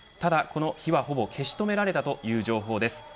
この火は、ほぼ消し止められたという情報です。